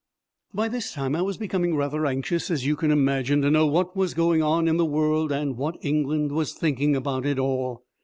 By this time I was becoming rather anxious, as you can imagine, to know what was going on in the world and what England was thinking about it all.